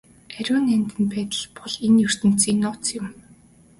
Ариун нандин байдал бол энэ ертөнцийн нууц юм.